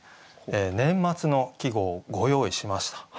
年末の季語をご用意しました。